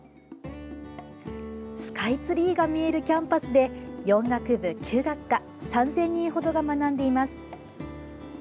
スカイツリーが見えるキャンパスで４学部９学科３０００人ほどが学んでいます。